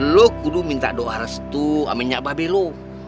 lo kudu minta doa restu aminnya mba be lo